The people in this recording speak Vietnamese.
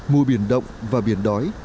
mùa biển động và biển đói